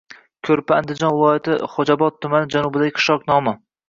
Ko‘rpa - Andijon viloyati Xo‘jaobod tumani janubidagi qishloq nomi.